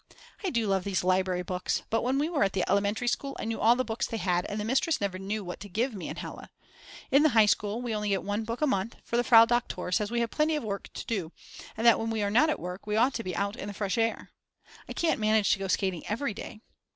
I do love these library books, but when we were at the elementary school I knew all the books they had and the mistress never knew what to give me and Hella. In the high school we get only one book a month, for the Frau Doktor says we have plenty of work to do, and that when we are not at work we ought to be out in the fresh air. I can't manage to go skating every day.